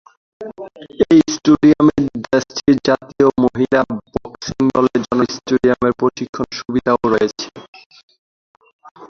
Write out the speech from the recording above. এই স্টেডিয়ামে দেশটির জাতীয় মহিলা বক্সিং দলের জন্য স্টেডিয়ামের প্রশিক্ষণ সুবিধাও রয়েছে,।